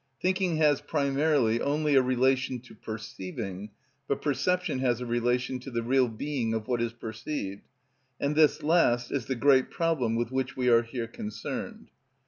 Thinking has primarily only a relation to perceiving, but perception has a relation to the real being of what is perceived, and this last is the great problem with which we are here concerned.